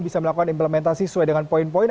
bisa melakukan implementasi sesuai dengan poin poin